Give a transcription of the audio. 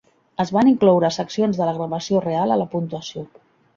Es van incloure seccions de la gravació real a la puntuació.